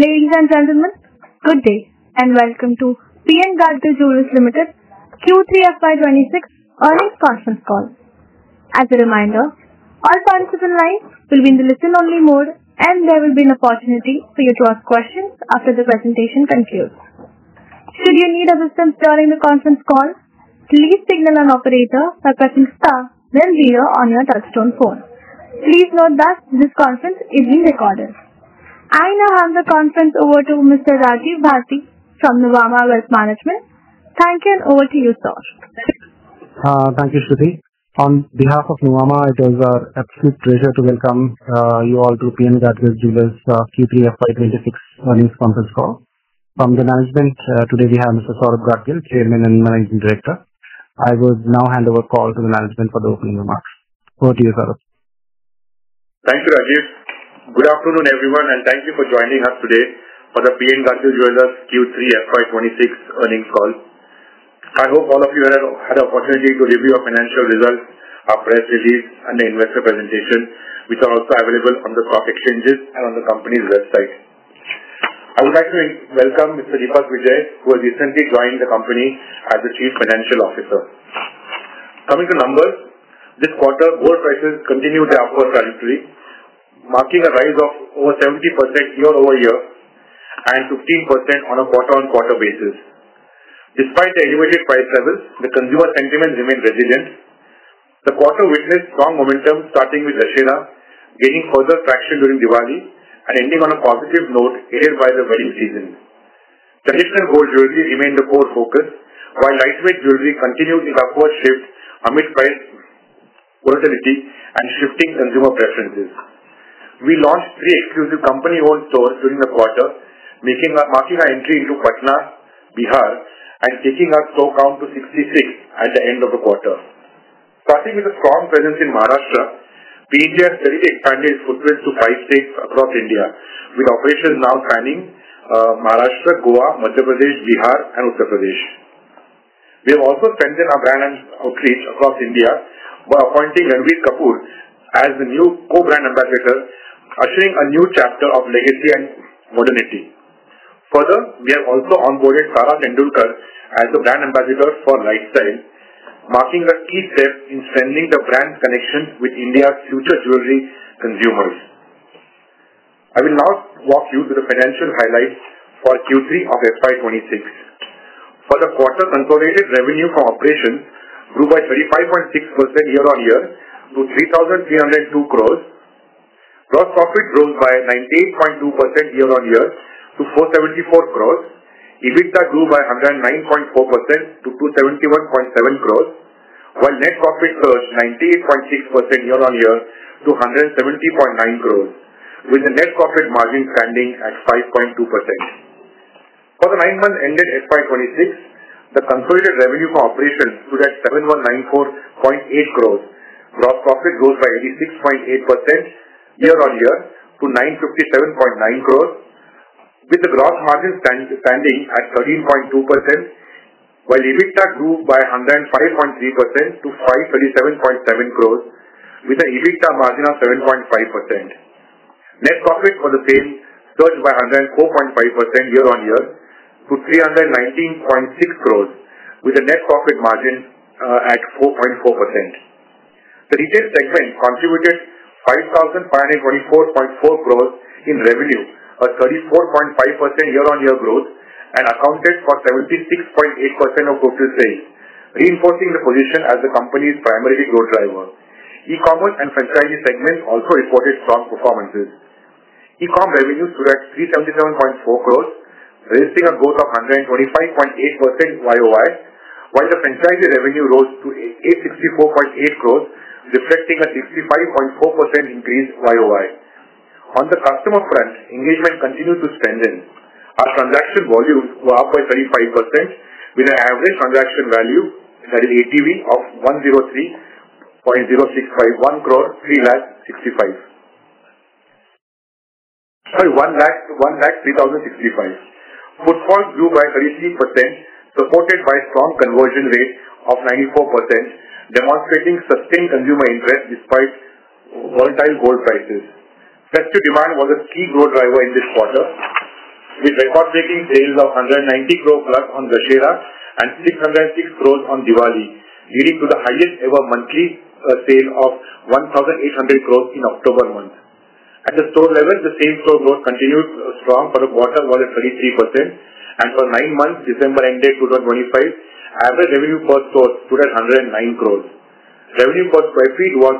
Ladies and gentlemen, good day, and welcome to P N Gadgil Jewellers Limited Q3 FY 2026 earnings conference call. As a reminder, all participants' lines will be in the listen-only mode, and there will be an opportunity for you to ask questions after the presentation concludes. Should you need assistance during the conference call, please signal an operator by pressing star then zero on your touchtone phone. Please note that this conference is being recorded. I now hand the conference over to Mr. Rajiv Bharti from Nuvama Wealth Management. Thank you and over to you, sir. Thank you, Shuti. On behalf of Nuvama, it is our absolute pleasure to welcome you all to P N Gadgil Jewellers Q3 FY 2026 earnings conference call. From the management, today we have Mr. Saurabh Gadgil, Chairman and Managing Director. I will now hand over the call to the management for the opening remarks. Over to you, Saurabh. Thank you, Rajiv. Good afternoon, everyone, and thank you for joining us today for the P N Gadgil Jewellers Q3 FY 2026 earnings call. I hope all of you have had an opportunity to review our financial results, our press release, and the investor presentation, which are also available on the stock exchanges and on the company's website. I would like to welcome Mr. Deepak Vijay, who has recently joined the company as the Chief Financial Officer. Coming to numbers, this quarter gold prices continued their upward trajectory, marking a rise of over 70% year-over-year and 15% on a quarter-on-quarter basis. Despite the elevated price levels, the consumer sentiment remained resilient. The quarter witnessed strong momentum starting with Dussehra, gaining further traction during Diwali, and ending on a positive note aided by the wedding season. Traditional gold jewelry remained the core focus while lightweight jewelry continued its upward shift amid price volatility and shifting consumer preferences. We launched three exclusive company-owned stores during the quarter, marking our entry into Patna, Bihar and taking our store count to 66 at the end of the quarter. Starting with a strong presence in Maharashtra, PNG has steadily expanded its footprint to five states across India, with operations now spanning Maharashtra, Goa, Madhya Pradesh, Bihar, and Uttar Pradesh. We have also strengthened our brand outreach across India by appointing Ranbir Kapoor as the new Co-Brand Ambassador, ushering a new chapter of legacy and modernity. We have also onboarded Sara Tendulkar as the Brand Ambassador for LiteStyle, marking a key step in strengthening the brand connection with India's future jewelry consumers. I will now walk you through the financial highlights for Q3 of FY 2026. For the quarter, consolidated revenue from operations grew by 35.6% year-on-year to 3,302 crores. Gross profit rose by 19.2% year-on-year to 474 crores. EBITDA grew by 109.4% to 271.7 crores while net profit surged 98.6% year-on-year to 170.9 crores with the net profit margin standing at 5.2%. For the nine months ended FY 2026, the consolidated revenue from operations stood at 7,194.8 crores. Gross profit rose by 86.8% year-on-year to 957.9 crores, with the gross margin standing at 13.2% while EBITDA grew by 105.3% to 537.7 crores with an EBITDA margin of 7.5%. Net profit for the same surged by 104.5% year-on-year to 319.6 crores with a net profit margin at 4.4%. The retail segment contributed 5,524.4 crores in revenue, a 34.5% year-on-year growth, and accounted for 76.8% of total sales, reinforcing the position as the company's primary growth driver. E-commerce and franchisee segments also reported strong performances. E-com revenues stood at 377.4 crores, registering a growth of 125.8% YOY, while the franchisee revenue rose to 864.8 crores rupees, reflecting a 55.4% increase YOY. On the customer front, engagement continued to strengthen. Our transaction volume was up by 35% with an average transaction value, that is ATV, of 1.0003065 crores. Footfalls grew by 33% supported by a strong conversion rate of 94% demonstrating sustained consumer interest despite volatile gold prices. Festive demand was a key growth driver in this quarter with record-breaking sales of 190 crore+ on Dussehra and 606 crores on Diwali, leading to the highest ever monthly sale of 1,800 crores in October month. At the store level, the same-store growth continued strong for the quarter was at 33% and for nine months December ending 2025 average revenue per store stood at 109 crores. Revenue per sq ft was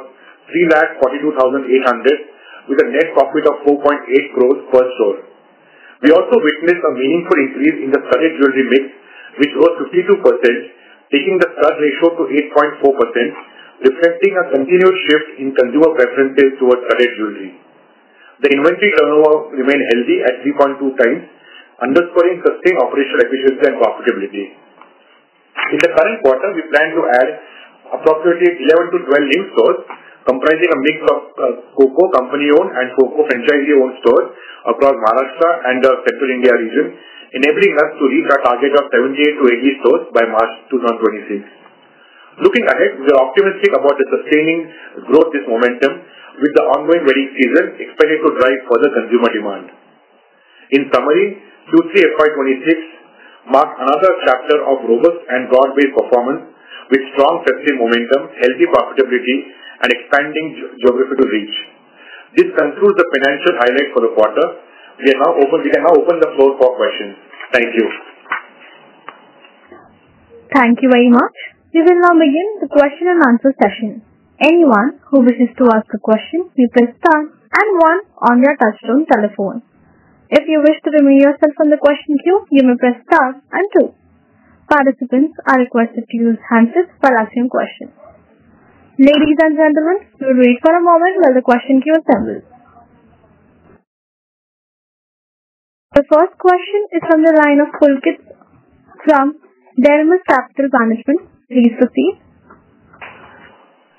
342,800 with a net profit of 4.8 crores per store. We also witnessed a meaningful increase in the studded jewelry mix, which was 52%, taking the stud ratio to 8.4%, reflecting a continued shift in consumer preferences towards studded jewelry. The inventory turnover remained healthy at 3.2 times, underscoring sustained operational efficiency and profitability. In the current quarter, we plan to add approximately 11-12 new stores comprising a mix of CoCo company-owned and FoFo franchisee-owned stores across Maharashtra and the central India region, enabling us to reach our target of 78-80 stores by March 2026. Looking ahead, we are optimistic about sustaining this growth momentum, with the ongoing wedding season expected to drive further consumer demand. In summary, Q3 FY 2026 marks another chapter of robust and broad-based performance with strong category momentum, healthy profitability, and expanding geographical reach. This concludes the financial highlights for the quarter. We can now open the floor for questions. Thank you. Thank you very much. We will now begin the question and answer session. Anyone who wishes to ask a question, press star and 1 on your touchtone telephone. If you wish to remove yourself from the question queue, you may press star and 2. Participants are requested to use handsets for asking questions. Ladies and gentlemen, we will wait for a moment while the question queue assembles. The first question is on the line of Pulkit from Delmer Capital Management. Please proceed.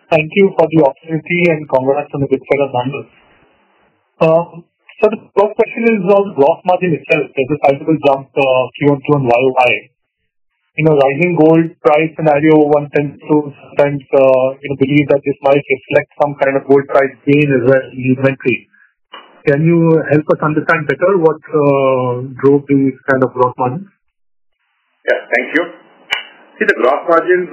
Thank you for the opportunity and congrats on the good set of numbers. The first question is on gross margin itself. There is a sizable jump QOQ and YoY. In a rising gold price scenario, one tends to sometimes believe that this might reflect some kind of gold price gain as well in inventory. Can you help us understand better what drove this kind of gross margin? Thank you. The gross margins,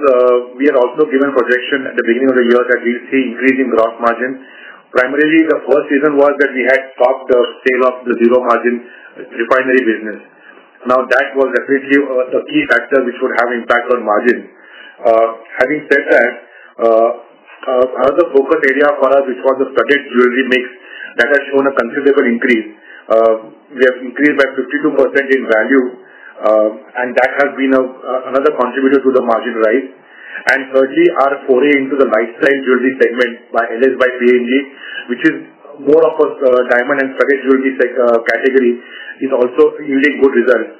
we had also given projection at the beginning of the year that we see increase in gross margin. Primarily, the first reason was that we had stopped the sale of the zero-margin refinery business. That was definitely a key factor which would have impact on margin. Having said that, another focus area for us is called the studded jewelry mix. That has shown a considerable increase. We have increased by 52% in value, and that has been another contributor to the margin rise. Thirdly, our foray into the LiteStyle jewelry segment by LiteStyle by PNG, which is more of a diamond and studded jewelry category, is also yielding good results.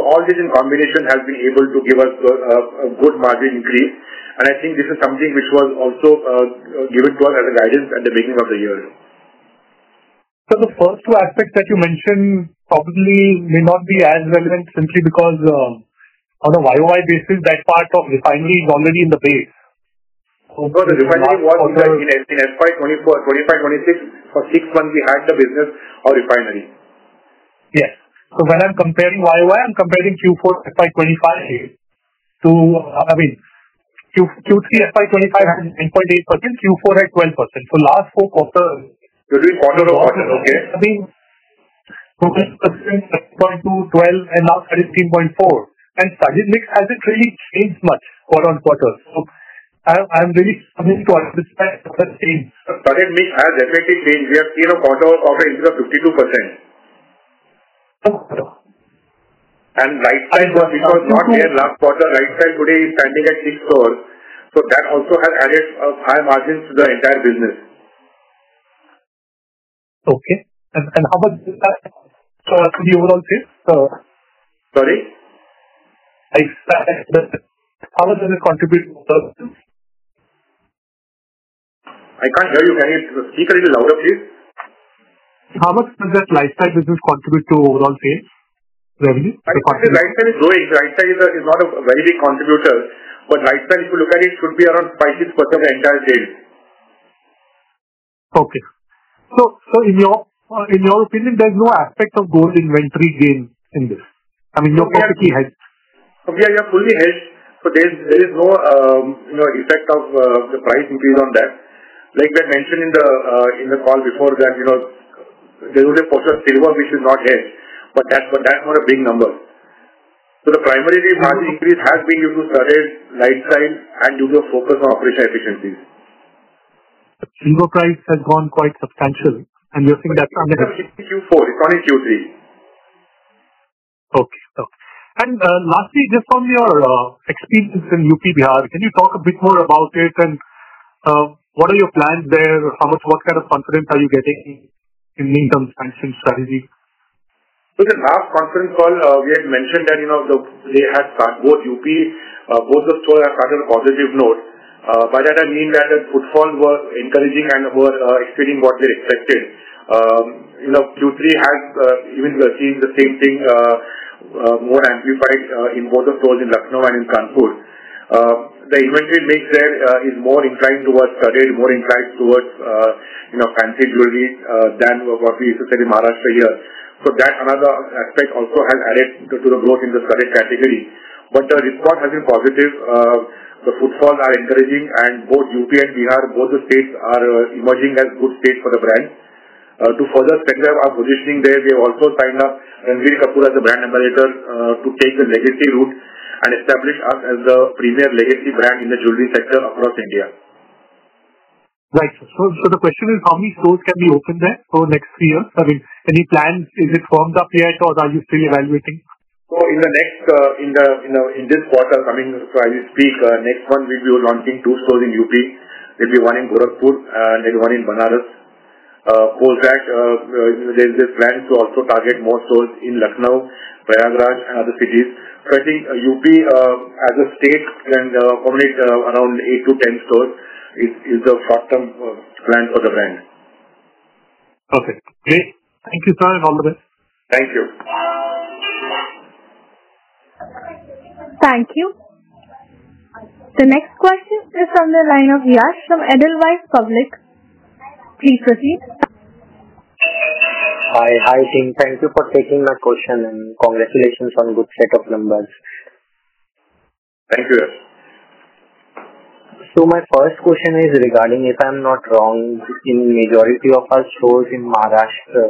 All this in combination has been able to give us a good margin increase, and I think this is something which was also given to us as a guidance at the beginning of the year. The first two aspects that you mentioned probably may not be as relevant simply because, on a YoY basis, that part of refinery is already in the base. No, the refinery was there in FY 2024. 2025, 2026 for six months, we had the business of refinery. Yes. When I'm comparing YoY, I'm comparing Q4 FY 2025 to I mean, Q3 FY 2025 has 10.8%, Q4 had 12%. Last four quarters. Quarter-over-quarter. Okay. I mean, 10.2, 12, and last 30 is 13.4. Studded mix hasn't really changed much quarter-over-quarter. I'm really struggling to understand what has changed. Studded mix has definitely changed. We have seen a quarter-over-quarter increase of 52%. Oh. LiteStyle which was not there last quarter, LiteStyle today is standing at six stores. That also has added high margins to the entire business. Okay. How much to the overall sales? Sorry? How much does it contribute to overall? I can't hear you. Can you speak a little louder, please? How much does that lifestyle business contribute to overall sales revenue? The contribution. LiteStyle is growing. LiteStyle is not a very big contributor. LiteStyle, if you look at it, should be around five, six percent of the entire sales. Okay. In your opinion, there's no aspect of gold inventory gain in this. I mean, you're completely hedged. We are fully hedged. There is no effect of the price increase on that. Like I mentioned in the call before that, there is a portion of silver which is not hedged, that's not a big number. The primary margin increase has been due to studded LiteStyle and due to a focus on operational efficiencies. Silver price has gone quite substantial, you're saying that? It's Q4. It's not in Q3. Okay. Lastly, just from your experiences in UP, Bihar, can you talk a bit more about it, and what are your plans there? What kind of confidence are you getting in medium-term expansion strategy? Look, in last conference call, we had mentioned that they had started both UP. Both the stores have started on a positive note. By that, I mean that the footfall was encouraging and we were experiencing what we had expected. Q3 has even seen the same thing, more amplified in both the stores in Lucknow and in Kanpur. The inventory mix there is more inclined towards studded, more inclined towards fancy jewelry than what we used to sell in Maharashtra here. That's another aspect also has added to the growth in the studded category. The response has been positive. The footfalls are encouraging, and both UP and Bihar, both the states are emerging as good states for the brand. To further strengthen our positioning there, we have also signed up Ranbir Kapoor as the brand ambassador to take the legacy route and establish us as the premier legacy brand in the jewelry sector across India. Right. The question is how many stores can be opened there for next 3 years? I mean, any plans? Is it firmed up yet or are you still evaluating? In this quarter coming as we speak, next month we'll be launching two stores in UP. There'll be one in Gorakhpur and one in Banaras. Post that, there's a plan to also target more stores in Lucknow, Prayagraj, and other cities. Currently, UP as a state can accommodate around 8-10 stores is the short-term plan for the brand. Okay, great. Thank you so much, Amit. Thank you. Thank you. The next question is from the line of Yash from Edelweiss Public. Please proceed. Hi, team. Thank you for taking my question. Congratulations on good set of numbers. Thank you. My first question is regarding, if I'm not wrong, in majority of our stores in Maharashtra,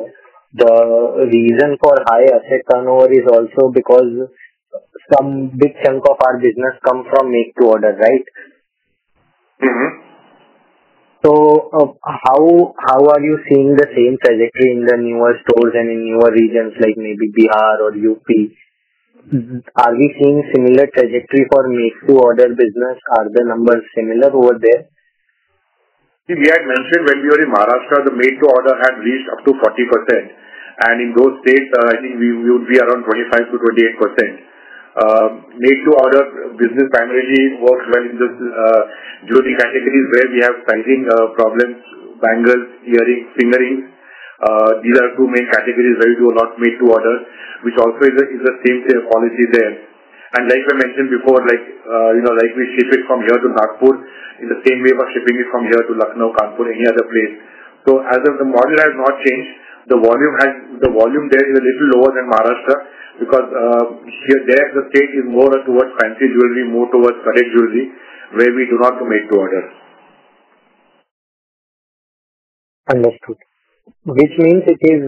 the reason for high asset turnover is also because some big chunk of our business come from make to order, right? How are you seeing the same trajectory in the newer stores and in newer regions, like maybe Bihar or UP? Are we seeing similar trajectory for make-to-order business? Are the numbers similar over there? We had mentioned when we were in Maharashtra, the make to order had reached up to 40%, and in those states, I think we would be around 25%-28%. Make to order business primarily works well in the jewelry categories where we have sizing problems. Bangles, earrings, finger rings, these are two main categories where we do a lot make to order, which also is the same policy there. Like I mentioned before, like we ship it from here to Nagpur, in the same way, we're shipping it from here to Lucknow, Kanpur, any other place. As of the model has not changed. The volume there is a little lower than Maharashtra because there the state is more towards fancy jewelry, more towards current jewelry, where we do not do make to order. Understood. Which means it is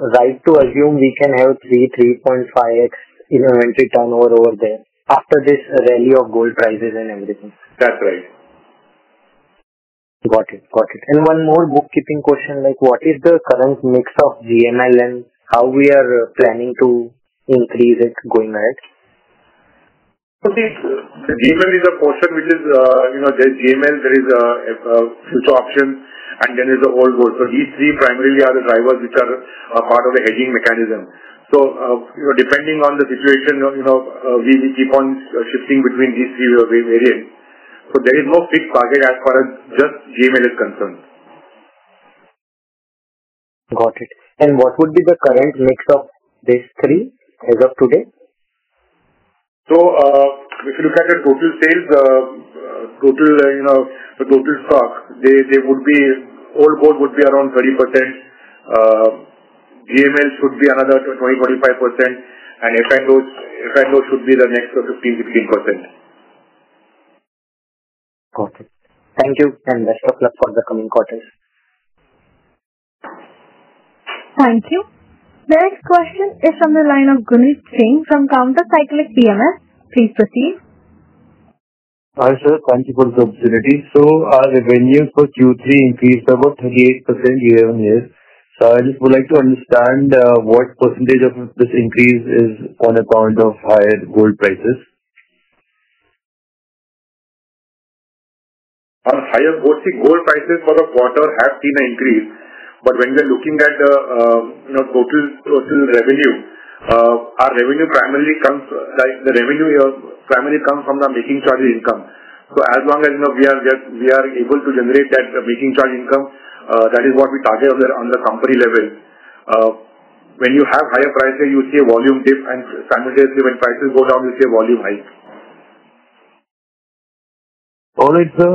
right to assume we can have 3.5x inventory turnover over there after this rally of gold prices and everything. That's right. Got it. One more bookkeeping question, like what is the current mix of GML, and how we are planning to increase it going ahead? See, GML is a portion which is There's GML, there is a future option, and then there's the old gold. These three primarily are the drivers which are a part of the hedging mechanism. Depending on the situation, we keep on shifting between these three variants. There is no fixed target as far as just GML is concerned. Got it. What would be the current mix of these three as of today? If you look at the total sales, the total stock, the old gold would be around 20%, GML should be another 20%-25%, and FI gold should be the next 15%-16%. Got it. Thank you. Best of luck for the coming quarters. Thank you. The next question is from the line of Gunit Singh from CounterCyclic PMS. Please proceed. Hi, sir. Thank you for the opportunity. Our revenue for Q3 increased about 38% year-on-year. I just would like to understand what % of this increase is on account of higher gold prices. On higher gold. Gold prices for the quarter have seen an increase, when we're looking at total revenue, our revenue primarily comes from the making charges income. As long as we are able to generate that making charge income, that is what we target on the company level. When you have higher prices, you see a volume dip, and simultaneously when prices go down, you see a volume hike. All right, sir.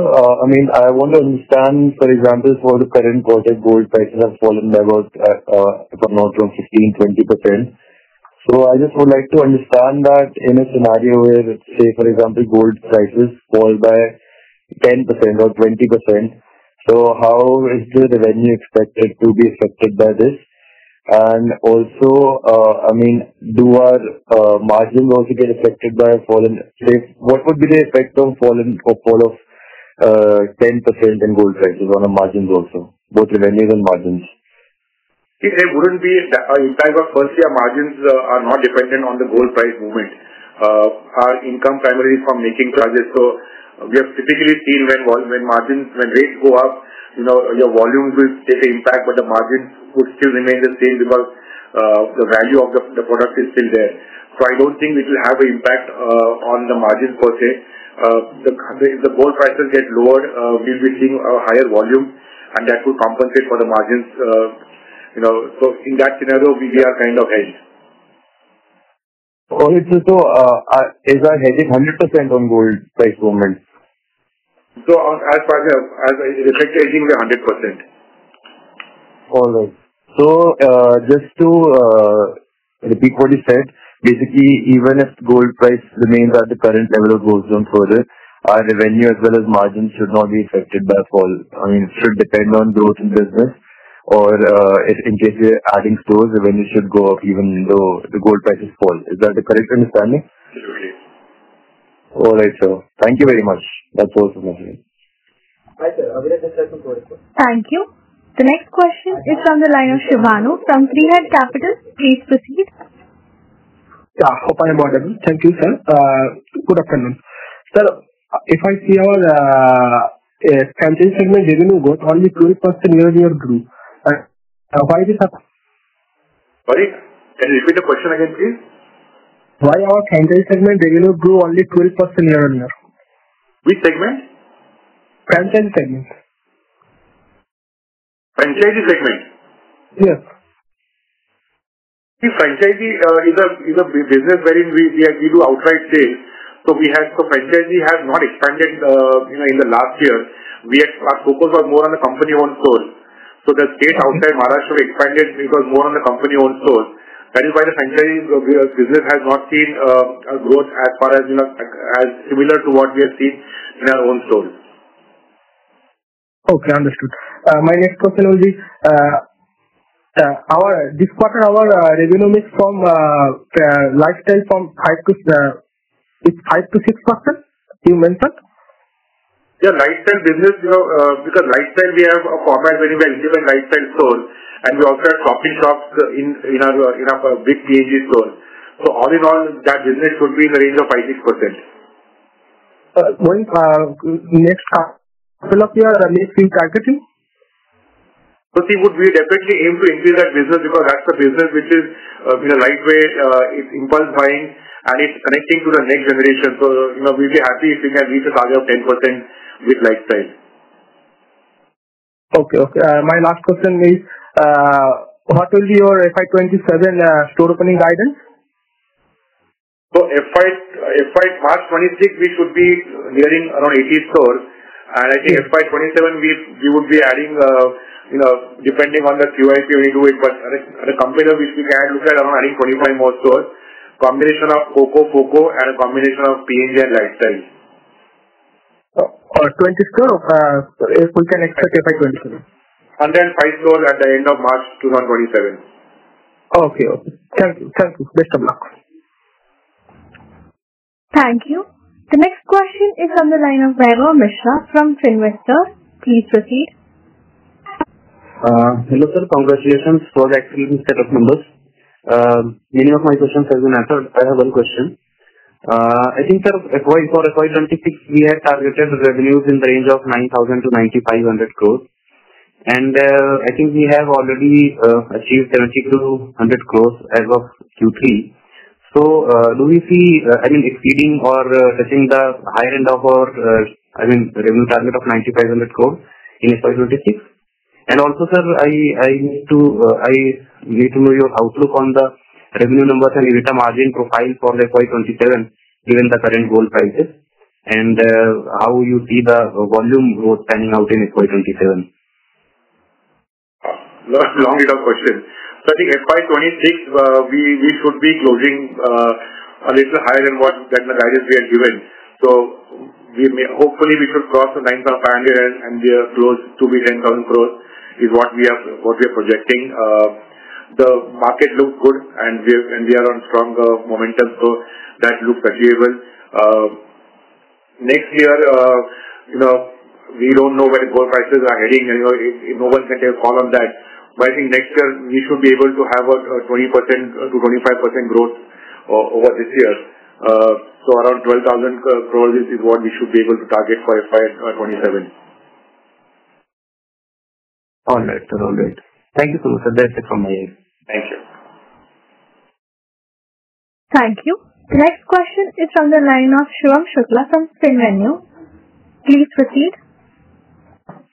I want to understand, for example, for the current quarter, gold prices have fallen by about, if I'm not wrong, 15%, 20%. I just would like to understand that in a scenario where, say, for example, gold prices fall by 10% or 20%, how is the revenue expected to be affected by this? Also, do our margins also get affected by a fall in price? What would be the effect of fall of 10% in gold prices on our margins also, both revenues and margins? There wouldn't be an impact. Firstly, our margins are not dependent on the gold price movement. Our income primarily is from making charges. We have typically seen when rates go up, your volumes will take an impact, the margins would still remain the same because the value of the product is still there. I don't think it will have an impact on the margin per se. If the gold prices get lowered, we'll be seeing a higher volume, that would compensate for the margins. In that scenario, we are kind of hedged. All right, sir. Is our hedging 100% on gold price movement? As far as the effect, hedging will be 100%. All right. Just to repeat what you said. Basically, even if gold price remains at the current level or goes down further, our revenue as well as margins should not be affected by a fall. I mean, it should depend on growth in business. Or if in case we're adding stores, revenue should go up even though the gold prices fall. Is that the correct understanding? Absolutely. All right, sir. Thank you very much. That's all from my side. Hi, sir. Abhiraj from Thank you. The next question is from the line of Shivanu from Three Head Capital. Please proceed. Yeah, hope I'm audible. Thank you, sir. Good afternoon. Sir, if I see your franchise segment revenue growth only 12% year-over-year grew. Why this happen? Sorry, can you repeat the question again, please? Why our franchise segment revenue grew only 12% year-over-year? Which segment? Franchise segment. Franchisee segment. Yeah. Franchisee is a business wherein we do outright sale. Franchisee has not expanded in the last year. Our focus was more on the company-owned stores. The state outside Maharashtra expanded because more on the company-owned stores. That is why the franchisee business has not seen growth as similar to what we have seen in our own stores. Okay, understood. My next question will be, this quarter, our revenue mix from LiteStyle from 5%-6% you mentioned? Yeah, LiteStyle business, because LiteStyle we have a format very well given LiteStyle stores, and we also have coffee shops in our big PNG stores. All in all, that business should be in the range of five, six %. One next half of your next year targeting? We would definitely aim to increase that business because that's the business which is the right way. It's impulse buying and it's connecting to the next generation. We'll be happy if we can reach a target of 10% with LiteStyle. Okay. My last question is, what will be your FY 2027 store opening guidance? FY March 2026, we should be nearing around 80 stores. I think FY 2027, we would be adding, depending on the QIP, we do it, but at a company level, we can look at around adding 25 more stores, combination of CoCo, FoCo, and a combination of PNG and LiteStyle. 20 stores we can expect FY 2027? 105 stores at the end of March 2027. Okay. Thank you. Best of luck. Thank you. The next question is on the line of Mayo Mishra from Finvester. Please proceed. Hello, sir. Congratulations for the excellent set of numbers. Many of my questions have been answered. I have one question. I think, sir, for FY 2026, we had targeted revenues in the range of 9,000 to 9,500 crores. I think we have already achieved 7,200 crores as of Q3. Do we see exceeding or touching the higher end of our revenue target of 9,500 crores in FY 2026? Also, sir, I need to know your outlook on the revenue numbers and EBITDA margin profile for FY 2027, given the current gold prices. How you see the volume growth panning out in FY 2027. Long set of questions. I think FY 2026, we should be closing a little higher than the guidance we had given. Hopefully we should cross the 9,500 and we are close to million, 10 crore, is what we are projecting. The market looks good, and we are on stronger momentum, so that looks achievable. Next year, we do not know where gold prices are heading. No one can tell all of that. I think next year we should be able to have a 20%-25% growth over this year. Around 12,000 crores is what we should be able to target for FY 2027. All right, sir. Thank you. That's it from my end. Thank you. Thank you. Next question is on the line of Shivam Shukla from Spinveneu. Please proceed.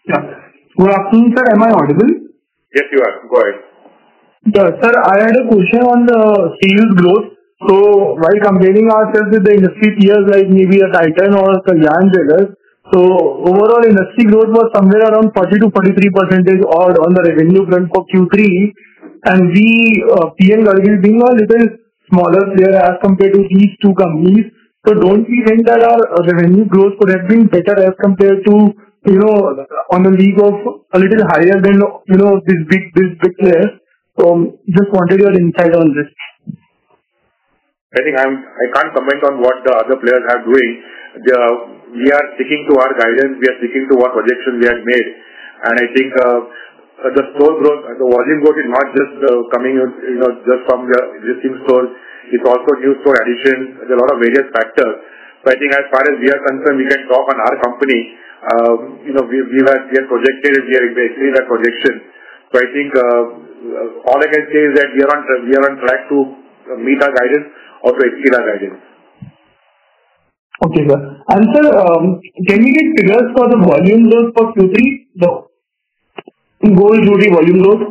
Yeah. Good afternoon, sir. Am I audible? Yes, you are. Go ahead. Sir, I had a question on the sales growth. While comparing ourselves with the industry peers, like maybe a Titan or a Kalyan Jewellers. Overall industry growth was somewhere around 40%-43% on the revenue front for Q3. We, PN Gadgil, being a little smaller player as compared to these two companies. Don't we think that our revenue growth could have been better as compared to on the league of a little higher than these big players? Just wanted your insight on this. I think I can't comment on what the other players are doing. We are sticking to our guidance. We are sticking to what projections we have made. I think the store growth, the volume growth is not just coming from the existing stores, it's also new store addition. There's a lot of various factors. I think as far as we are concerned, we can talk on our company. We have projected, we are increasing that projection. I think all I can say is that we are on track to meet our guidance or to exceed our guidance. Okay, sir. Sir, can we get figures for the volume growth for Q3, the gold jewelry volume growth?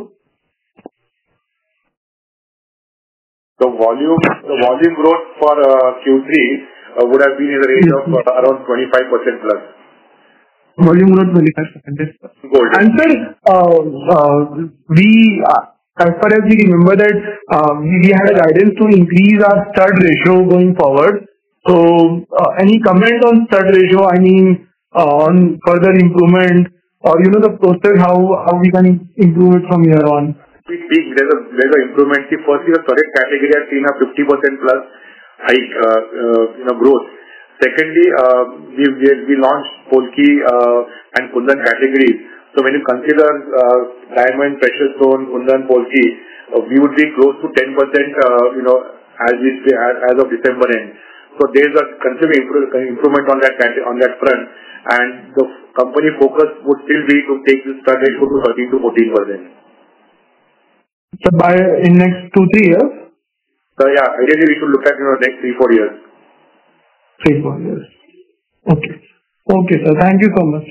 The volume growth for Q3 would have been in the range of around 25% plus. Volume growth 25%? Gold. Sir, as far as we remember that we had a guidance to increase our stud ratio going forward. Any comment on stud ratio, I mean, on further improvement or the process how we can improve it from here on? There's an improvement. First, your current category has seen a 50% plus hike growth. Secondly, we launched polki and kundan categories. When you consider diamond, precious stone, kundan, polki, we would be close to 10% as of December end. There's a continuing improvement on that front. The company focus would still be to take this stud ratio to 13%-14%. By in next two, three years? Yeah. Really, we should look at next three, four years. Three, four years. Okay. Okay, sir. Thank you so much.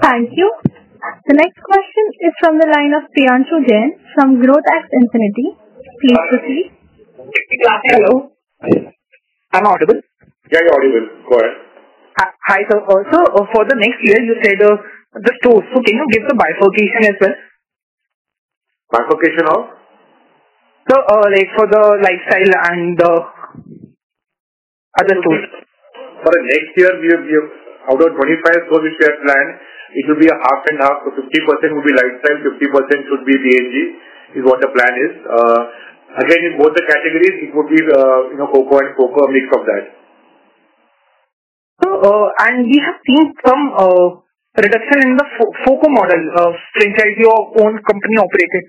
Thank you. The next question is from the line of Priyanshu Jain from Growth at Infinity. Please proceed. Hello. Am I audible? Yeah, you're audible. Go ahead. Hi, sir. Also, for the next year, you said the stores. Can you give the bifurcation as well? Bifurcation of? Sir, like for the LiteStyle and the other stores. For next year, out of 25 stores we have planned, it will be a half and half. 50% will be LiteStyle, 50% should be PNG, is what the plan is. Again, in both the categories, it would be CoCo and FoCo, a mix of that. Sir, we have seen some reduction in the FoCo model, franchise or owned company operated.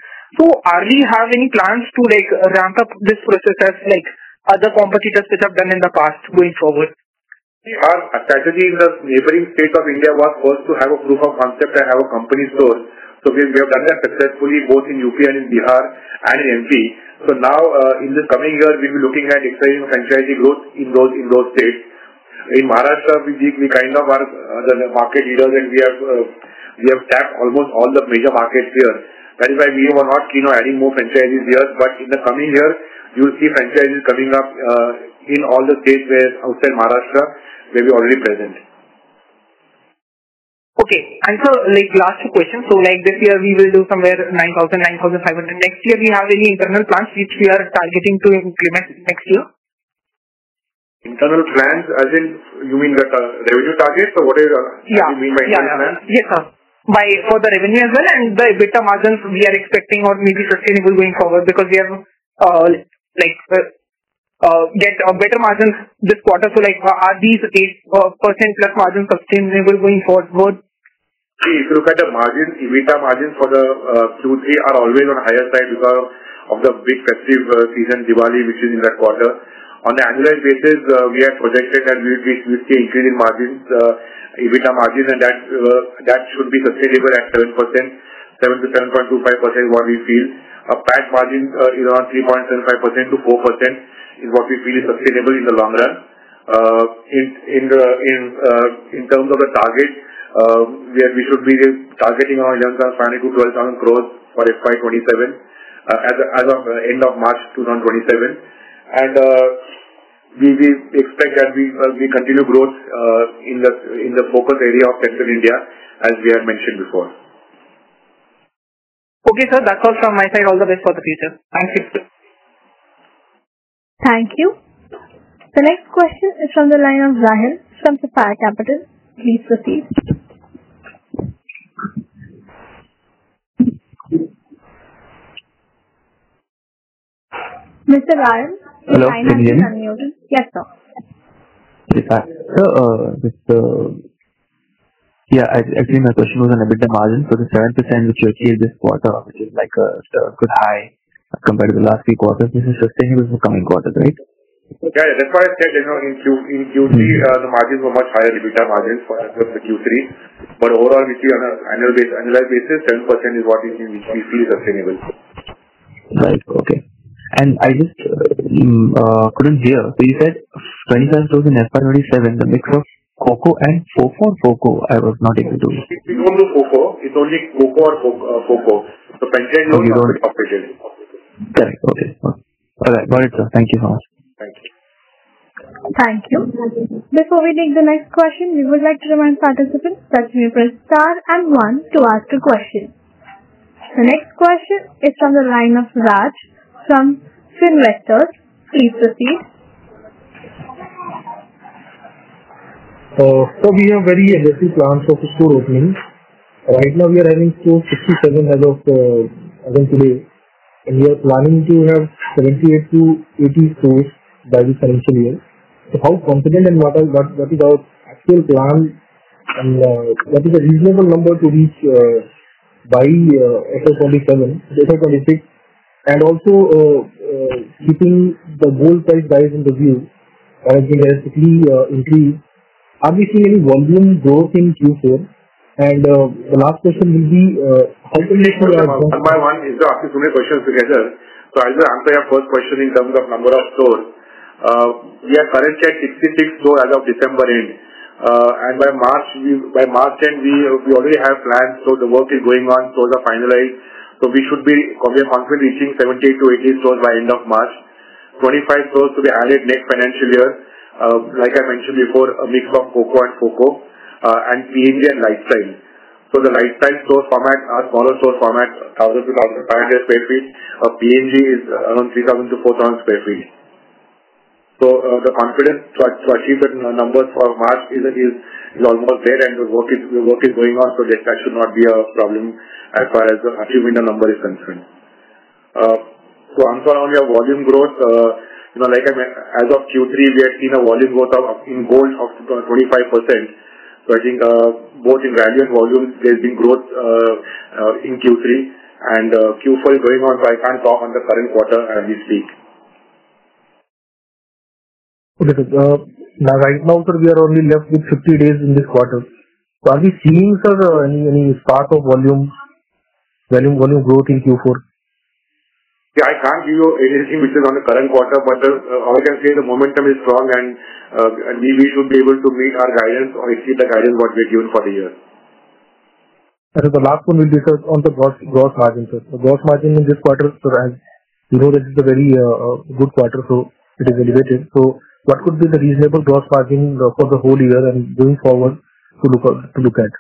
Are we having plans to ramp up this process as other competitors which have done in the past going forward? Our strategy in the neighboring states of India was first to have a proof of concept and have a company store. We have done that successfully, both in UP and in Bihar and in MP. Now, in the coming years, we'll be looking at accelerating franchise growth in those states. In Maharashtra, we kind of are the market leaders, and we have tapped almost all the major markets here. That is why we were not keen on adding more franchises here. In the coming years, you'll see franchises coming up in all the states where outside Maharashtra we're already present. Sir, last two questions. Like this year, we will do somewhere 9,000-9,500. Next year, we have any internal plans which we are targeting to implement next year? Internal plans, as in you mean the revenue target? Yeah. You mean by internal plan? Yes, sir. For the revenue as well and the EBITDA margins we are expecting or maybe sustainable going forward because we have got better margins this quarter. Like, are these 8%+ margins sustainable going forward? If you look at the margins, EBITDA margins for the Q3 are always on higher side because of the big festive season, Diwali, which is in that quarter. On annual basis, we have projected that we will be still increasing margins, EBITDA margins, and that should be sustainable at 7%, 7%-7.25% is what we feel. PAT margin is around 3.75%-4% is what we feel is sustainable in the long run. In terms of the target, we should be targeting around 10,000 crore-12,000 crore for FY 2027, as of end of March 2027. We expect that we continue growth in the focus area of central India, as we have mentioned before. Okay, sir. That's all from my side. All the best for the future. Thank you, sir. Thank you. The next question is from the line of Rahul from Sapphire Capital. Please proceed. Mr. Rahul. Hello, good evening. Yes, sir. Actually, my question was on EBITDA margin. The 7% which you achieved this quarter, which is like a good high compared to the last few quarters. This is sustainable for coming quarters, right? That's why I said, in Q3 the margins were much higher, the EBITDA margins for Q3. Overall, if you annualize this, 7% is what we feel is sustainable. Right. Okay. I just couldn't hear. You said 25 stores in FY 2027, the mix was CoCo and FoCo. We don't do FoFo, it's only CoCo and FoCo. Franchise and company operated. Correct. Okay. All right. Got it, sir. Thank you so much. Thank you. Thank you. Before we take the next question, we would like to remind participants that you may press Star and One to ask a question. The next question is from the line of Raj from FinVestor. Please proceed. Sir, we have very aggressive plans for store openings. Right now, we are having stores 67 as of today, and we are planning to have 78 to 80 stores by this financial year. How confident and what is our actual plan and what is the reasonable number to reach by FY 2027 and also, keeping the gold price rise into view, as it has increased, are we seeing any volume growth in Q4? The last question will be, how can we- Let me take one by one. You've asked so many questions together. I'll answer your first question in terms of number of stores. We are currently at 66 stores as of December end. By March end, we already have plans. The work is going on. Stores are finalized. We are confident reaching 70 to 80 stores by end of March. 25 stores to be added next financial year. Like I mentioned before, a mix of CoCo and FoCo, and PNG and LiteStyle. The LiteStyle store format are smaller store formats, 1,000 to 1,500 sq ft. A PNG is around 3,000 to 4,000 sq ft. The confidence to achieve that number for March is almost there and the work is going on so that should not be a problem as far as achieving the number is concerned. To answer on your volume growth, as of Q3 we had seen a volume growth in gold of around 25%. I think both in value and volume there's been growth in Q3 and Q4 is going on so I can't talk on the current quarter as we speak. Okay. Right now, sir, we are only left with 50 days in this quarter. Are we seeing, sir, any spark of volume growth in Q4? I can't give you anything which is on the current quarter. All I can say is the momentum is strong, we should be able to meet our guidance or exceed the guidance that we have given for the year. The last one will be, sir, on the gross margin, sir. The gross margin in this quarter, sir, as you know, this is a very good quarter, it is elevated. What could be the reasonable gross margin for the whole year and going forward to look at?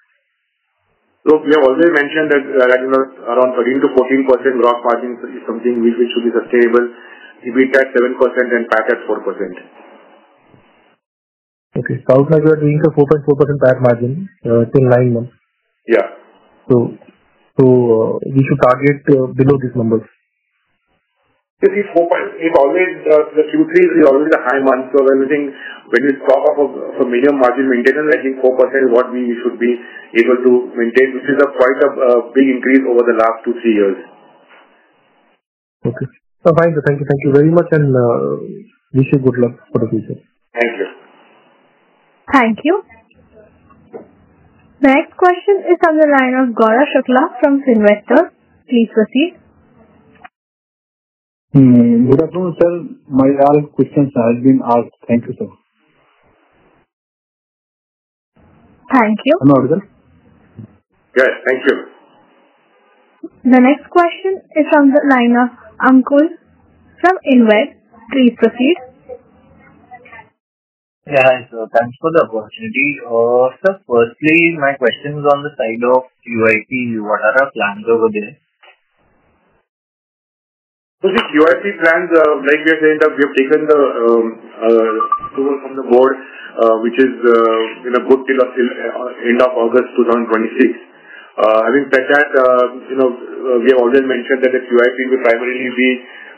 We have already mentioned that around 13%-14% gross margin is something which should be sustainable, EBITDA 7% and PAT at 4%. Okay. Sounds like you are doing a 4.4% PAT margin, sir, in nine months. Yeah. We should target below these numbers. Q3 is always a high month, so when you stop up for medium margin maintenance, I think 4% is what we should be able to maintain, which is quite a big increase over the last two, three years. Okay. Sir, thank you. Thank you very much, and wish you good luck for the future. Thank you. Thank you. Next question is on the line of Gaurav Shukla from Finnvestor. Please proceed. Good afternoon, sir. My questions have been asked. Thank you, sir. Thank you. I'm out, sir. Yes, thank you. The next question is on the line of Ankur from Inveth. Please proceed. Thanks for the opportunity. Sir, firstly, my question is on the side of QIP. What are our plans over there? The QIP plans are, like we have said, we have taken the approval from the board, which is in a good till end of August 2026. Having said that, we have already mentioned that the QIP will primarily be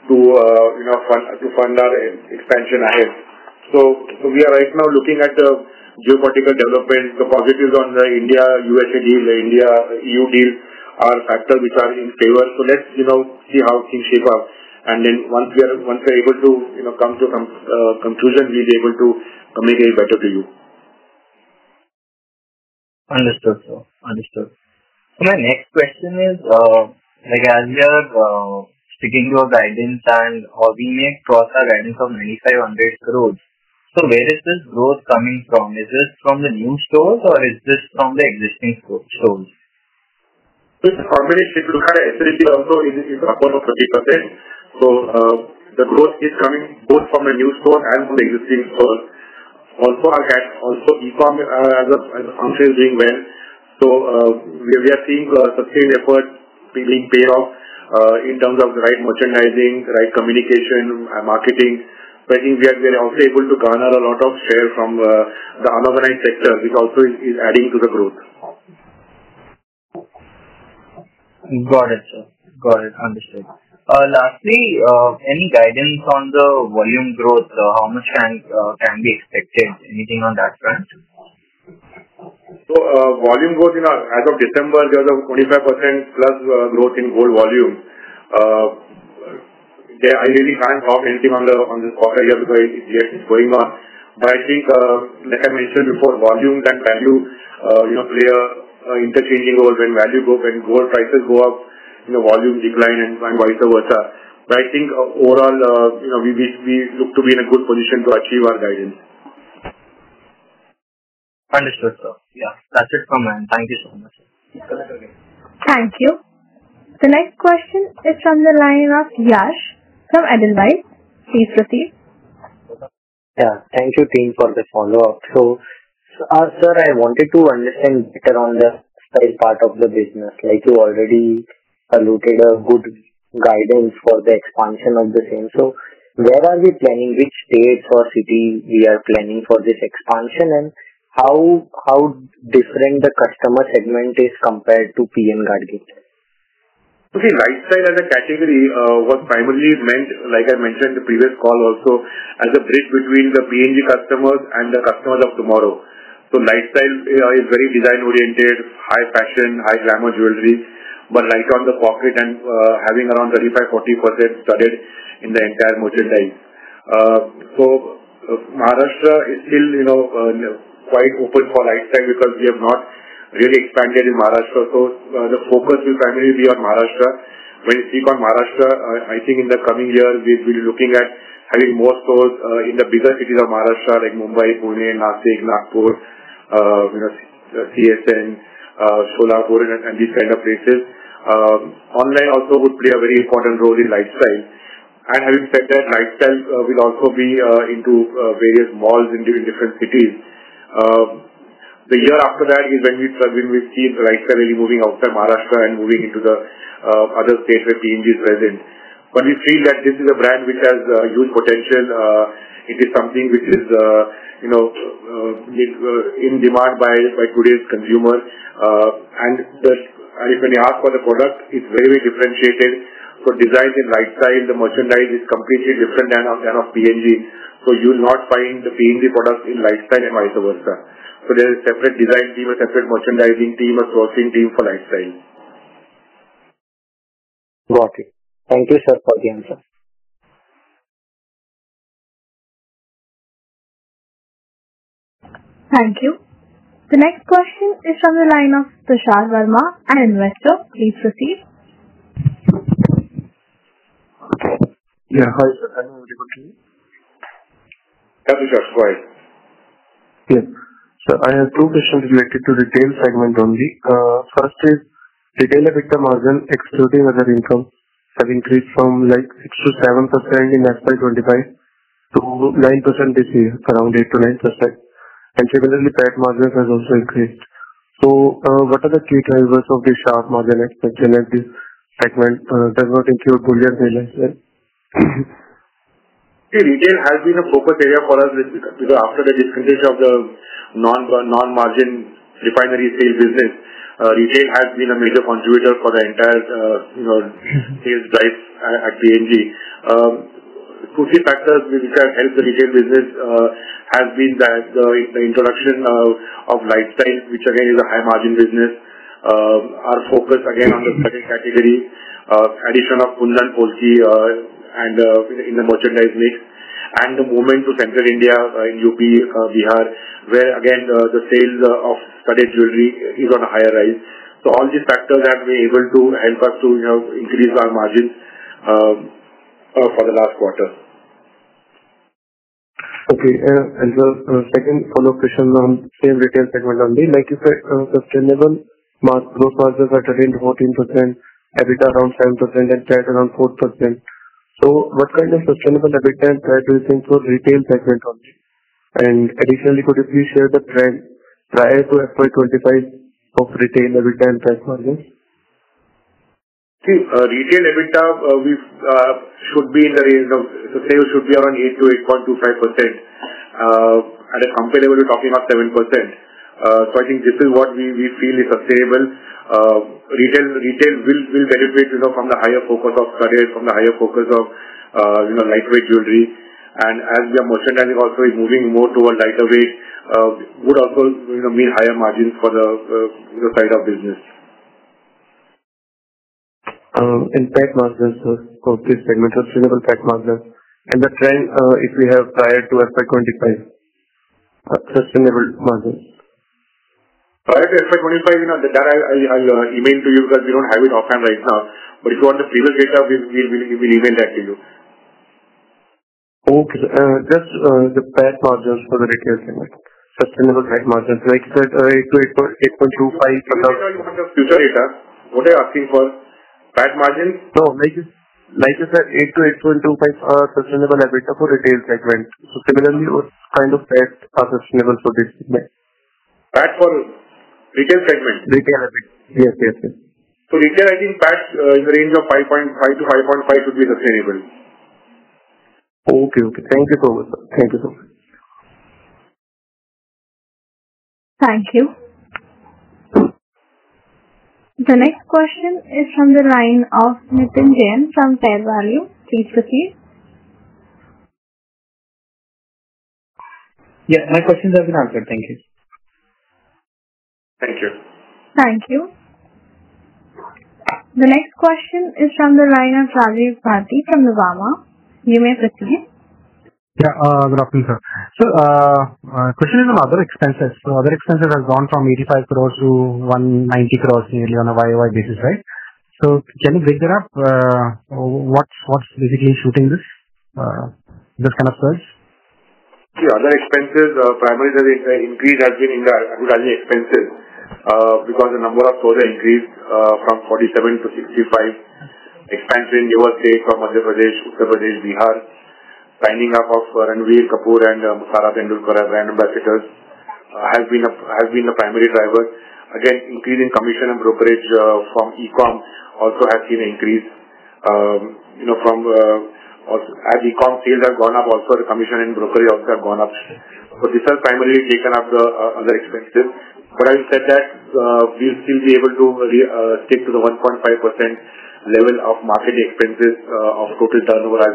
to fund our expansion ahead. We are right now looking at the geopolitical developments, the positives on the India-USA deal, the India-EU deal, are factors which are in favor. Let's see how things shape up. Then once we are able to come to a conclusion, we'll be able to communicate it better to you. Understood, sir. Understood. My next question is, as we are speaking your guidance and how we may cross our guidance of 2,500 crore. Where is this growth coming from? Is this from the new stores, or is this from the existing stores? It's a combination. If you look at SSG also, it is upward of 30%. The growth is coming both from the new stores and from the existing stores. Our e-com arm is also doing well. We are seeing sustained efforts being paid off in terms of the right merchandising, right communication, and marketing. I think we are also able to garner a lot of share from the unorganized sector, which also is adding to the growth. Got it, sir. Got it. Understood. Lastly, any guidance on the volume growth? How much can be expected? Anything on that front? Volume growth as of December, we are at a 25%-plus growth in gold volume. I really cannot comment anything on this quarter year because it is going on. I think, like I mentioned before, volume and value play an interchanging role. When gold prices go up, volume decline and vice versa. I think overall, we look to be in a good position to achieve our guidance. Understood, sir. That's it from my end. Thank you so much, sir. Okay. Thank you. The next question is from the line of Yash from Edelweiss. Please proceed. Yeah. Thank you, team, for the follow-up. Sir, I wanted to understand better on the LiteStyle part of the business. You already alluded a good guidance for the expansion of the same. Where are we planning, which states or cities we are planning for this expansion, and how different the customer segment is compared to PN Gadgil? Okay. LiteStyle as a category was primarily meant, like I mentioned in the previous call also, as a bridge between the PNG customers and the customers of tomorrow. LiteStyle is very design-oriented, high fashion, high glamour jewelry, but light on the pocket and having around 35%-40% studded in the entire merchandise. Maharashtra is still quite open for LiteStyle because we have not really expanded in Maharashtra. The focus will primarily be on Maharashtra. When you think of Maharashtra, I think in the coming year, we'll be looking at having more stores in the bigger cities of Maharashtra, like Mumbai, Pune, Nashik, Nagpur, CSN, Solapur, and these kind of places. Online also would play a very important role in LiteStyle. Having said that, LiteStyle will also be into various malls in different cities. The year after that is when we see the LiteStyle really moving outside Maharashtra and moving into the other states where PNG is present. We feel that this is a brand which has huge potential. It is something which is in demand by today's consumer. When you ask for the product, it's very well differentiated. Designs in LiteStyle, the merchandise is completely different than of PNG. You will not find the PNG products in LiteStyle and vice versa. There is a separate design team, a separate merchandising team, a sourcing team for LiteStyle. Got it. Thank you, sir, for the answer. Thank you. The next question is from the line of Prashant Varma, an investor. Please proceed. Hi, sir. Yes, Prashant, go ahead. Yes. I have two questions related to retail segment only. First is, retail EBITDA margin excluding other income have increased from 6%-7% in FY 2025 to 9% this year, around 8%-9%. Similarly, PAT margin has also increased. What are the key drivers of this sharp margin expansion at this segment? Does not include bullion sales, right? See, retail has been a focus area for us because after the disadvantage of the non-margin refinery sales business, retail has been a major contributor for the entire sales drive at PNG. Two, three factors which have helped the retail business has been that the introduction of LiteStyle, which again, is a high-margin business. Our focus again on the second category, addition of Kundan Polki in the merchandise mix, and the movement to central India in UP, Bihar, where again, the sales of studded jewelry is on a higher rise. All these factors have been able to help us to increase our margin for the last quarter. Okay. The second follow-up question on same retail segment only. Like you said, sustainable growth margins are 13%-14%, EBITDA around 7% and PAT around 4%. What kind of sustainable EBITDA and PAT do you think for retail segment only? Additionally, could you please share the trend prior to FY 2025 of retail EBITDA and PAT margin? Retail EBITDA should be in the range of-- The sales should be around 8%-8.25%. At a comparable, we're talking about 7%. I think this is what we feel is sustainable. Retail will benefit from the higher focus of studded, from the higher focus of lightweight jewelry. As the merchandise also is moving more toward lighter weight, would also mean higher margins for the side of business. PAT margins for this segment, sustainable PAT margins and the trend, if we have prior to FY 2025, sustainable margin. Prior to FY 2025, that I'll email to you because we don't have it offline right now. If you want the previous data, we'll email that to you. Okay, sir. Just the PAT margins for the retail segment. Sustainable PAT margins, like you said, 8%-8.25%. You want the future data. What are you asking for? PAT margin? No, like you said, 8%-8.25% sustainable EBITDA for retail segment. Similarly, what kind of PAT are sustainable for this segment? PAT for retail segment? Retail EBITDA. Yes. retail, I think PAT in the range of 5.5%-5.5% should be sustainable. Okay. Thank you so much, sir. Thank you. The next question is from the line of Nitin Jain from Fair Value. Please proceed. Yeah, my questions have been answered. Thank you. Thank you. Thank you. The next question is from the line of Rajiv Bharti from RBL. You may proceed. Good afternoon, sir. My question is on other expenses. Other expenses have gone from 85 crore to 190 crore nearly on a YOY basis, right? Can you break that up? What's basically shooting this kind of surge? Other expenses, primarily the increase has been in the advertising expenses, because the number of stores increased from 47 to 65. Expansion in U.S.A., from Madhya Pradesh, Uttar Pradesh, Bihar. Signing up of Ranbir Kapoor and Sara Tendulkar as brand ambassadors has been the primary driver. Increase in commission and brokerage from e-com also has seen an increase. As e-com sales have gone up, also the commission and brokerage also have gone up. These have primarily taken up the other expenses. Having said that, we'll still be able to stick to the 1.5% level of marketing expenses of total turnover, as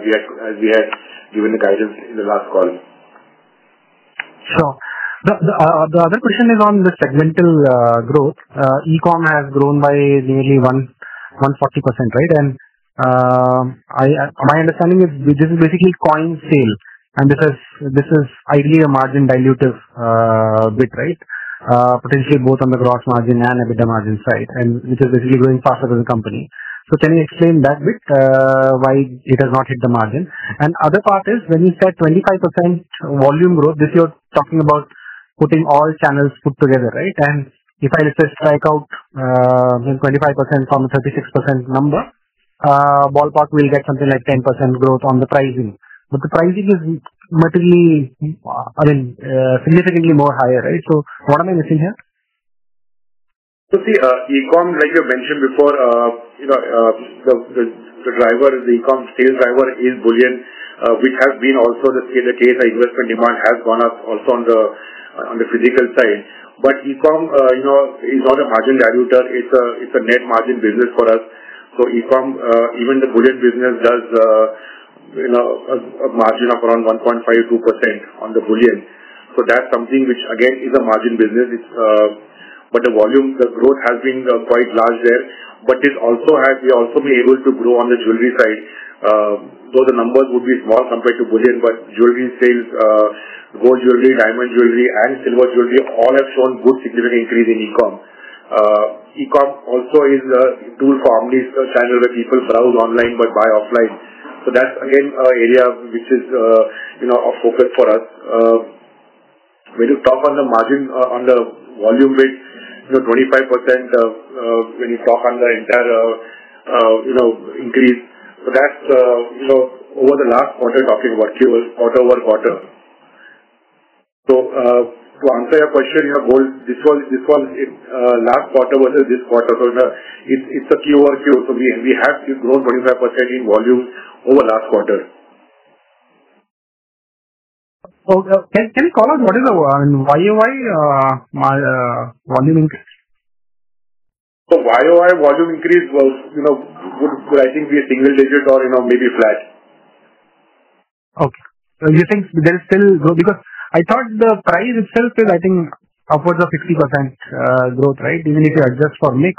we had given the guidance in the last call. Sure. The other question is on the segmental growth. E-com has grown by nearly 140%, right? My understanding is this is basically coin sale, and this is ideally a margin dilutive bit, right? Potentially both on the gross margin and EBITDA margin side, which is basically growing faster than the company. Can you explain that bit, why it has not hit the margin? Other part is when you said 25% volume growth, this you're talking about putting all channels put together, right? If I just strike out the 25% from the 36% number, ballpark we'll get something like 10% growth on the pricing. The pricing is materially, I mean, significantly more higher, right? What am I missing here? See, e-com, like I mentioned before, the e-com sales driver is bullion, which has been also the case where investment demand has gone up also on the physical side. E-com is not a margin dilutive. It's a net margin business for us. E-com, even the bullion business, you know, a margin of around 1.52% on the bullion. That's something which again, is a margin business, but the volume, the growth has been quite large there. We also have been able to grow on the jewelry side. Though the numbers would be small compared to bullion, but jewelry sales, gold jewelry, diamond jewelry, and silver jewelry all have shown good significant increase in e-com. E-com also is a tool for omni channel, where people browse online but buy offline. That's again, an area which is a focus for us. When you talk on the margin on the volume bit, 25% when you talk on the entire increase. That's over the last quarter, talking quarter-over-quarter. To answer your question, you have gold. This one last quarter versus this quarter. It's a Q over Q. We have grown 35% in volume over last quarter. Can you tell us what is the Y-o-Y volume increase? Y-o-Y volume increase would, I think, be a single digit or maybe flat. Okay. You think there's still growth? Because I thought the price itself is, I think upwards of 50% growth, right? Even if you adjust for mix,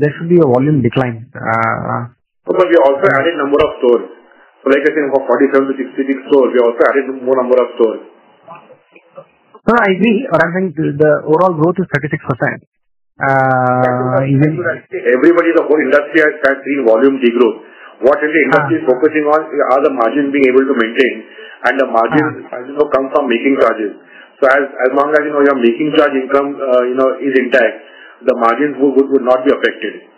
there should be a volume decline. We also added a number of stores. Like I said, from 47 to 66 stores, we also added more number of stores. No, I agree. What I'm saying, the overall growth is 36%. Everybody, the whole industry has had seen volume degrowth. What is the industry focusing on? Are the margins being able to maintain? The margin also comes from making charges. As long as your making charge income is intact, the margins would not be affected.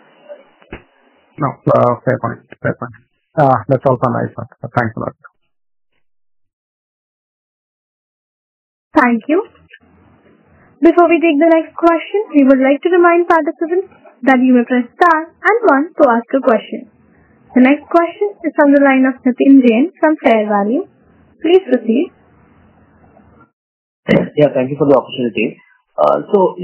Okay. Fair point. That's all from my side. Thanks a lot. Thank you. Before we take the next question, we would like to remind participants that you may press star and one to ask a question. The next question is on the line of Nitin Jain from Care Value. Please proceed. Yeah, thank you for the opportunity.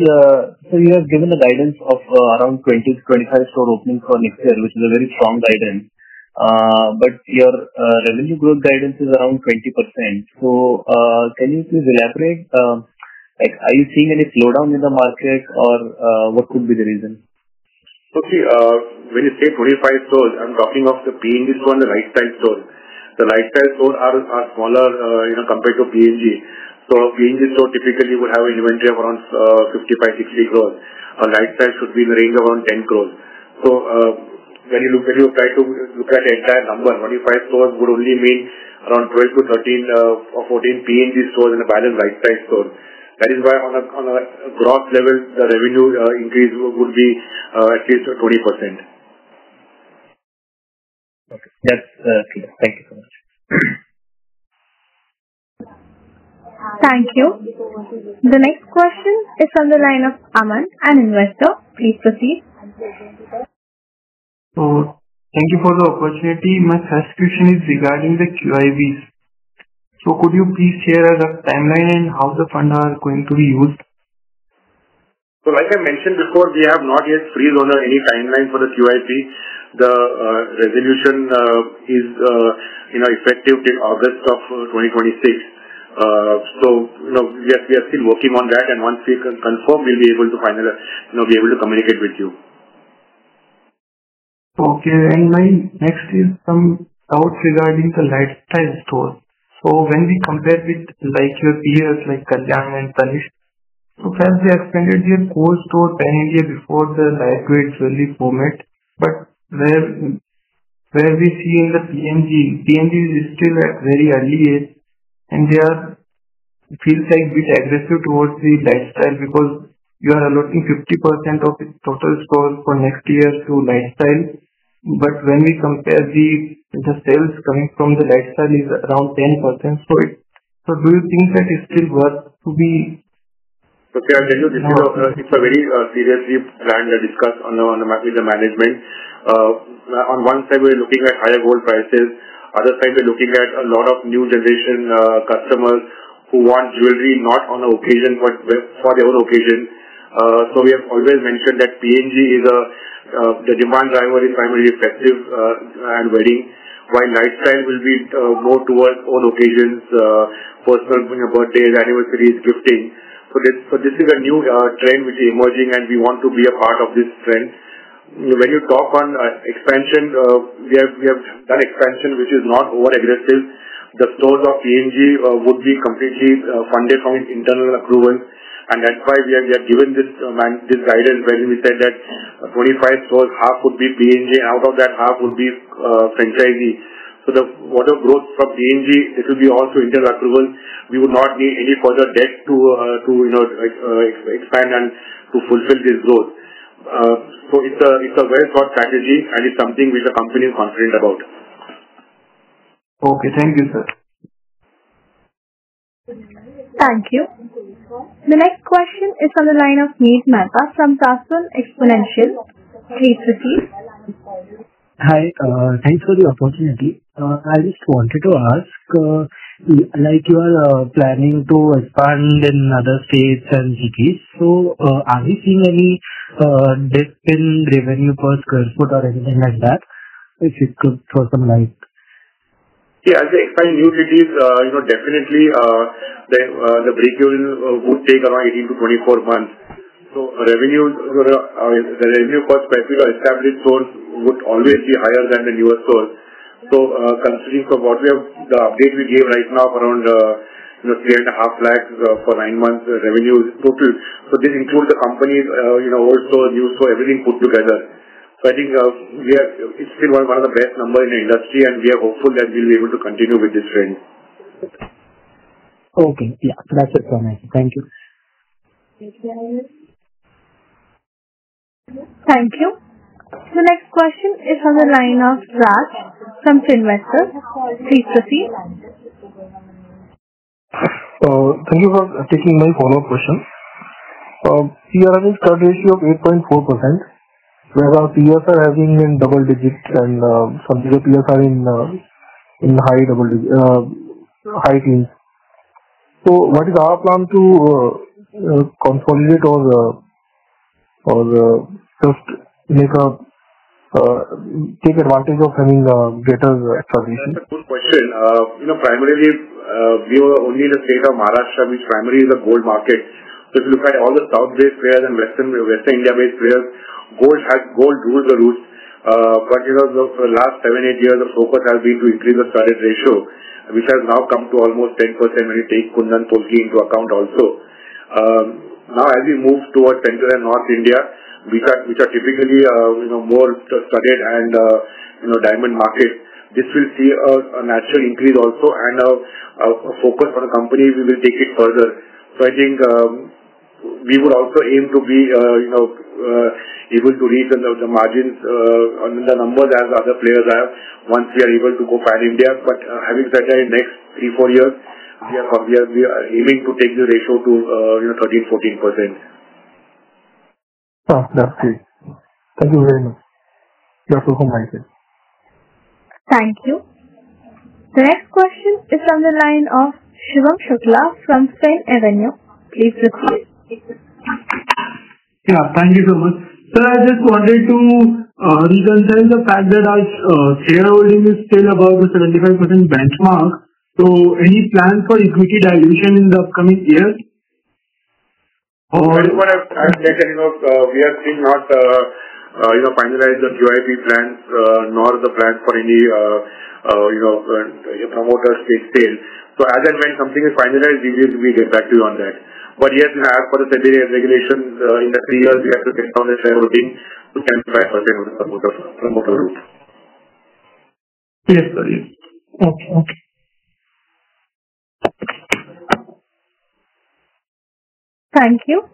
You have given a guidance of around 20-25 store openings for next year, which is a very strong guidance, your revenue growth guidance is around 20%. Can you please elaborate? Are you seeing any slowdown in the market, or what could be the reason? Okay. When you say 25 stores, I'm talking of the PNG store and the LiteStyle store. The LiteStyle stores are smaller compared to PNG. A PNG store typically would have an inventory of around 55, 60 crores. A LiteStyle should be in the range of around 10 crores. When you try to look at the entire number, 25 stores would only mean around 12 to 13 or 14 PNG stores and a balance LiteStyle stores. That is why on a gross level, the revenue increase would be at least 20%. Okay. That's clear. Thank you so much. Thank you. The next question is on the line of Aman, an investor. Please proceed. Thank you for the opportunity. My first question is regarding the QIBs. Could you please share the timeline and how the fund are going to be used? Like I mentioned before, we have not yet freeze on any timeline for the QIB. The resolution is effective till August of 2026. We are still working on that, and once we can confirm, we'll be able to communicate with you. Okay. My next is some doubts regarding the LiteStyle stores. When we compare with your peers like Kalyan and Tanishq, first they expanded their core store 10 years before the LiteStyle really format. Where we see in the PNG is still at very early age, and they are feels like bit aggressive towards the LiteStyle because you are allotting 50% of its total stores for next year to LiteStyle. When we compare, the sales coming from the LiteStyle is around 10%. Do you think that it's still worth? Okay, I tell you, this is a very seriously planned and discussed on the map with the management. On one side, we're looking at higher gold prices. Other side, we're looking at a lot of new generation customers who want jewelry not on an occasion, but for their own occasion. We have always mentioned that PNG, the demand driver is primarily festive and wedding, while LiteStyle will be more towards own occasions, personal, birthdays, anniversaries, gifting. This is a new trend which is emerging, and we want to be a part of this trend. When you talk on expansion, we have done expansion which is not over-aggressive. The stores of PNG would be completely funded from its internal accruals, and that's why we have given this guidance wherein we said that 25 stores, half would be PNG, and out of that half would be franchisee. Whatever growth from PNG, it will be all through internal accruals. We would not need any further debt to expand and to fulfill this growth. It's a well-thought strategy, and it's something which the company is confident about. Okay. Thank you, sir. Thank you. The next question is on the line of Neel Mehta from Casson Exponential. Please proceed. Hi. Thanks for the opportunity. I just wanted to ask, like you are planning to expand in other states and cities. Are we seeing any dip in revenue per square foot or anything like that? If you could throw some light. Yeah, as I explained new cities, definitely the breakeven would take around 18-24 months. The revenue per established stores would always be higher than the newer stores. Considering the update we gave right now of around 3.5 lakhs for nine months revenue. This includes the company, old stores, new stores, everything put together. I think it's still one of the best numbers in the industry, and we are hopeful that we'll be able to continue with this trend. Okay. Yeah, that's it from my side. Thank you. Thank you. The next question is on the line of Raj from Finvestor. Please proceed. Thank you for taking my follow-up question. You are having a current ratio of 8.4%, whereas our peers are having in double digits and some of the peers are in high teens. What is our plan to consolidate or just take advantage of having a greater That's a good question. Primarily, we are only in the state of Maharashtra, which primarily is a gold market. If you look at all the South-based players and Western India-based players, gold rules the route. For the last seven, eight years, the focus has been to increase the current ratio, which has now come to almost 10% when you take Kundan totally into account also. As we move towards central and North India, which are typically more studded and diamond market, this will see a natural increase also, and our focus for the company, we will take it further. I think we would also aim to be able to reach the margins on the numbers as other players have once we are able to go PAN India. Having said that, in the next three, four years, we are aiming to take the ratio to 13, 14%. That's great. Thank you very much. You're welcome, myself. Thank you. The next question is on the line of Shivam Shukla from Stein & Company. Please record. Thank you so much. Sir, I just wanted to reconsider the fact that our shareholding is still above the 75% benchmark. Any plan for equity dilution in the upcoming year? As far as I have stated, we have still not finalized the QIB plans nor the plan for any promoter stake sale. As and when something is finalized, we will get back to you on that. Yes, as per the SEBI regulations, in the three years, we have to get down the shareholding to 75% of the promoter route. Yes, got it. Okay. Thank you.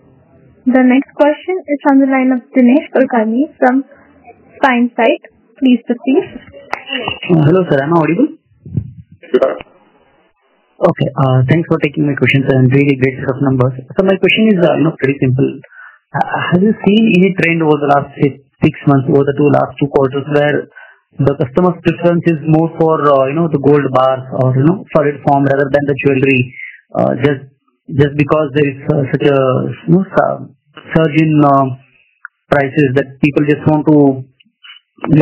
The next question is on the line of Dinesh Kulkarni from FineSite. Please proceed. Hello, sir. Am I audible? Sure. Okay. Thanks for taking my question, sir. Really great set of numbers. My question is pretty simple. Have you seen any trend over the last six months, over the last two quarters, where the customer's preference is more for the gold bars or solid form rather than the jewelry? Just because there is such a surge in prices that people just want to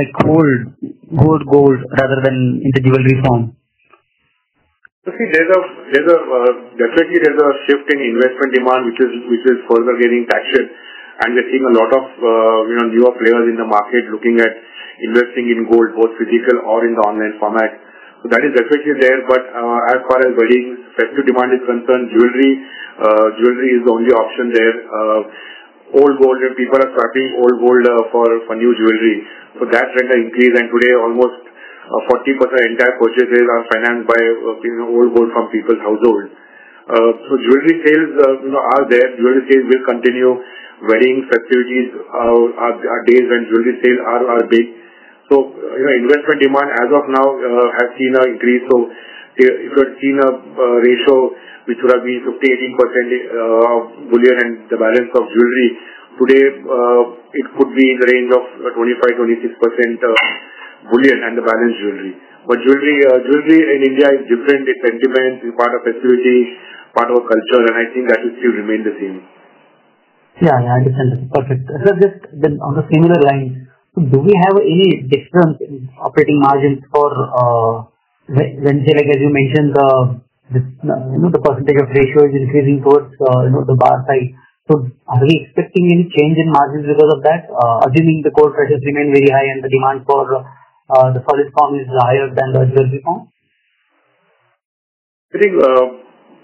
hold gold rather than in the jewelry form. See, definitely there's a shift in investment demand which is further getting taxed, and we're seeing a lot of newer players in the market looking at investing in gold, both physical or in the online format. That is definitely there, but as far as wedding festivity demand is concerned, jewelry is the only option there. People are cutting old gold for new jewelry. That trend has increased, and today almost 40% entire purchases are financed by old gold from people's households. Jewelry sales are there. Jewelry sales will continue. Weddings festivities are days, and jewelry sales are big. Investment demand as of now has seen an increase. You could have seen a ratio which would have been 15%, 18% bullion and the balance of jewelry. Today, it could be in the range of 25%, 25% bullion and the balance jewelry. Jewelry in India is different. It's sentiment, it's part of festivities, part of our culture, and I think that will still remain the same. Yeah. I understand. Perfect. Sir, just on a similar line, do we have any different operating margins for when, say, like as you mentioned, the percentage of ratio is increasing towards the bar side. Are we expecting any change in margins because of that, assuming the gold prices remain very high and the demand for the solid form is higher than the jewelry form? I think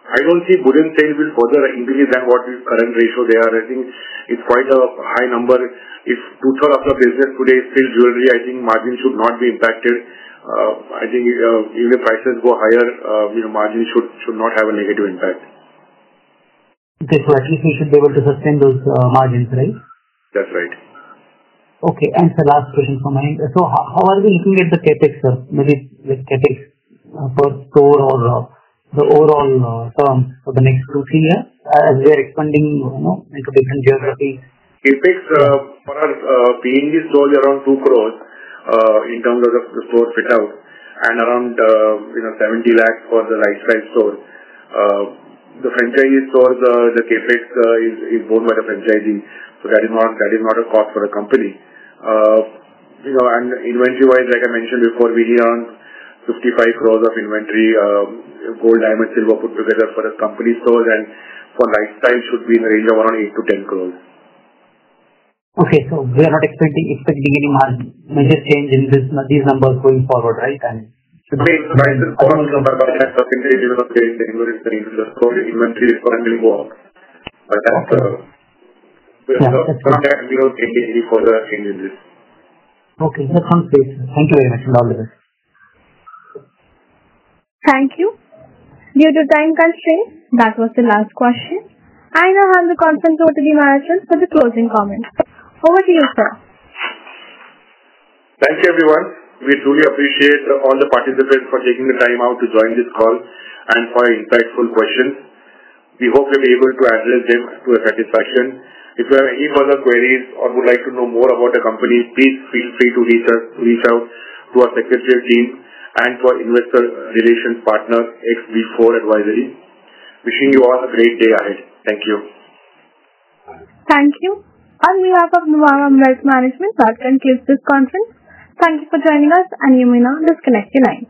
I don't see bullion sales will further increase than what is current ratio there. I think it's quite a high number. If two-third of the business today is still jewelry, I think margins should not be impacted. I think even if prices go higher, margins should not have a negative impact. Okay. At least we should be able to sustain those margins, right? That's right. Okay, sir, last question from my end. How are we looking at the CapEx, sir? Maybe the CapEx for store or the overall term for the next two, three years as we are expanding into different geographies. CapEx for us being is only around 2 crores, in terms of the store fit-out, and around 70 lakhs for the LiteStyle store. The franchisee stores, the CapEx is borne by the franchisee. That is not a cost for the company. Inventory-wise, like I mentioned before, we carry around 55 crores of inventory, gold, diamond, silver put together for our company stores, and for LiteStyle should be in the range of around 8-10 crores. Okay. We are not expecting any margin, major change in these numbers going forward, right? I think prices call the number, as a percentage it will not change. Inventory is going to the store. The inventory is currently more. Okay. That will not take any further changes. Okay. That sounds great, sir. Thank you very much and all the best. Thank you. Due to time constraint, that was the last question. I now hand the conference over to Mahesh sir for the closing comments. Over to you, sir. Thank you, everyone. We truly appreciate all the participants for taking the time out to join this call and for your insightful questions. We hope we were able to address them to your satisfaction. If you have any further queries or would like to know more about the company, please feel free to reach out to our secretary team and to our investor relations partner, XB4 Advisory. Wishing you all a great day ahead. Thank you. Thank you. On behalf of Nuvama Wealth Management, I thank you for this conference. Thank you for joining us, and you may now disconnect your lines.